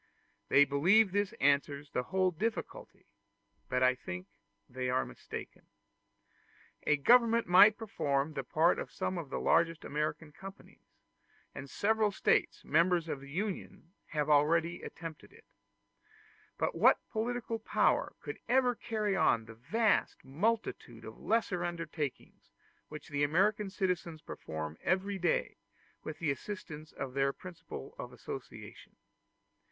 They believe this answers the whole difficulty, but I think they are mistaken. A government might perform the part of some of the largest American companies; and several States, members of the Union, have already attempted it; but what political power could ever carry on the vast multitude of lesser undertakings which the American citizens perform every day, with the assistance of the principle of association?